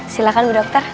silakan ibu dokter